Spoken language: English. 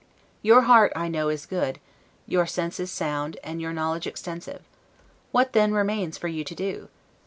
Your heart, I know, is good, your sense is sound, and your knowledge extensive. What then remains for you to do?